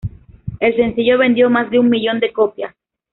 El sencillo vendió más de un millón de copias.